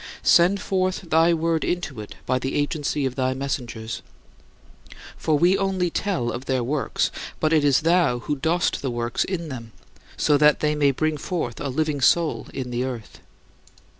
Send forth thy word into it by the agency of thy messengers. For we only tell of their works, but it is thou who dost the works in them, so that they may bring forth "a living soul" in the earth.